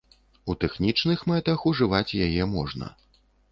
У тэхнічных мэтах ужываць яе можна.